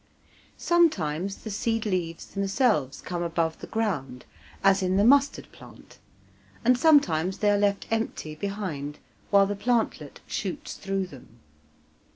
Sometimes the seed leaves themselves come above the ground, as in the mustard plant, and sometimes they are left empty behind, while the plantlet shoots through them.